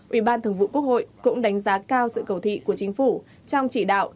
ủy ban thường vụ quốc hội cũng đánh giá cao sự cầu thị của chính phủ trong chỉ đạo